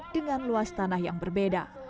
dengan luas tanah yang berbeda